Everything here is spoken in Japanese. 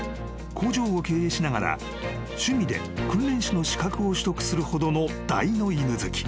工場を経営しながら趣味で訓練士の資格を取得するほどの大の犬好き］